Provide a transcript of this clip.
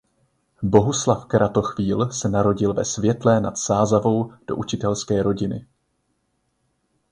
Bohuslav Kratochvíl se narodil ve Světlé nad Sázavou do učitelské rodiny.